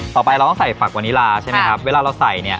ต่อไปเราต้องใส่ฝักวานิลาใช่ไหมครับเวลาเราใส่เนี่ย